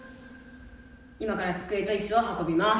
今から机といすを運びます。